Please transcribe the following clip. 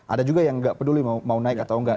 ada juga yang nggak peduli mau naik atau enggak